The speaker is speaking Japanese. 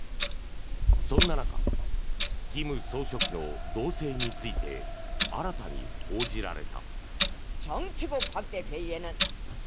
そんな中金総書記の動静について新たに報じられた。